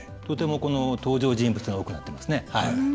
とてもこの登場人物が多くなってますね。